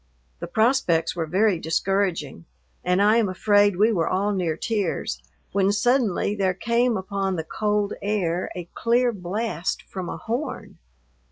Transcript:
The prospects were very discouraging, and I am afraid we were all near tears, when suddenly there came upon the cold air a clear blast from a horn.